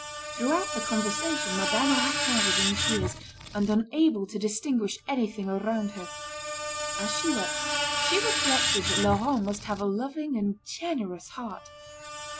Throughout the conversation Madame Raquin was in tears, and unable to distinguish anything around her. As she wept, she reflected that Laurent must have a loving and generous heart.